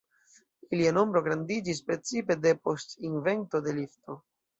Ilia nombro grandiĝis precipe depost invento de lifto.